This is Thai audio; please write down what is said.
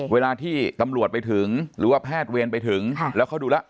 เวลาที่ตำรวจไปถึงหรือว่าแพทย์เวรไปถึงแล้วเขาดูแล้ว